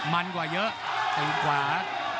มันกว่าเยอะตีนขวา